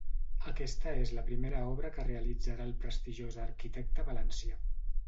Aquesta és la primera obra que realitzarà el prestigiós arquitecte valencià.